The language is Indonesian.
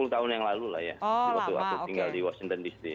sepuluh tahun yang lalu lah ya waktu waktu tinggal di washington dc